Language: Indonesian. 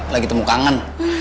lagi temu kangen